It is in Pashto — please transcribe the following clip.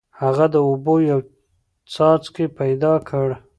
هغه د اوبو یو څاڅکی پیدا کړ.